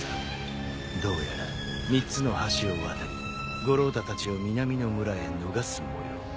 どうやら３つの橋を渡り五郎太たちを南の村へ逃すもよう。